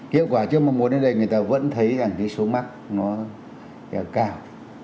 hiệu quả chưa mong muốn đến đây người ta vẫn thấy rằng cái số mắc nó cao